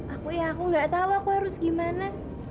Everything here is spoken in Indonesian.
aku ya aku gak tau aku harus gimana